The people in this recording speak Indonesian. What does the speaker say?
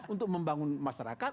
untuk membangun masyarakat